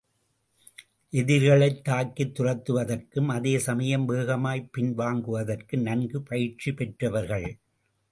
எதிரிகளைத் தாக்கித் துரத்துவதற்கும், அதே சமயம் வேகமாய் பின்வாங்குவதற்கும் நன்கு பயிற்சி பெற்றவர்கள்.